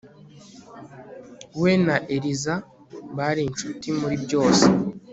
We na Eliza bari inshuti muri byose